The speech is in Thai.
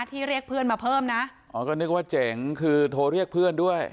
เรียกเพื่อนมาเพิ่มนะอ๋อก็นึกว่าเจ๋งคือโทรเรียกเพื่อนด้วย